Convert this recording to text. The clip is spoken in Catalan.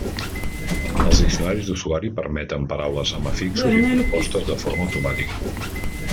Els diccionaris d'usuari permeten paraules amb afixos i compostes de forma automàtica.